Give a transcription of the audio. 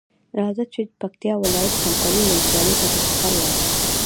راځۀ چې پکتیا ولایت څمکنیو ولسوالۍ ته په چکر لاړشو.